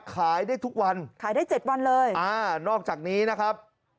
ขายได้ทุกวันขายได้เจ็ดวันเลยอ่านอกจากนี้นะครับ